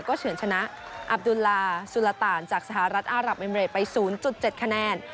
ก็เฉินชนะอับดูลลาสุรต่านจากสหรัฐอาหรับเอเมริกไปศูนย์จุดเจ็ดคะแนน